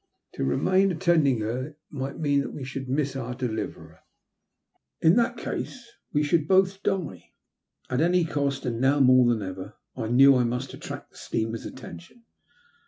To remain attending to her might mean that we should miss our deliverer. In tliat case we should both die. At any cost, and now more than ever, I knew I must attract the steamer's attention.